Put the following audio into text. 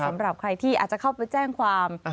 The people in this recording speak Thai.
สำหรับใครที่อาจจะเข้าไปแจ้งความ